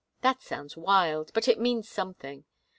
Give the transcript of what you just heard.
That sounds wild, but it means something.